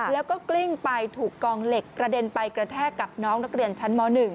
แล้วก็กลิ้งไปถูกกองเหล็กกระเด็นไปกระแทกกับน้องนักเรียนชั้นม๑